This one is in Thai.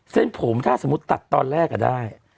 เส้นผมถ้าสมมุติตัดตอนแรกได้